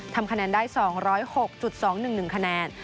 ทำคะแนนได้๒๐๖๒๑๑คะแนน